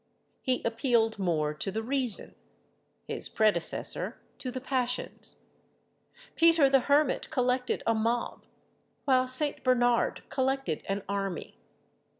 He appealed more to the reason, his predecessor to the passions; Peter the Hermit collected a mob, while St. Bernard collected an army.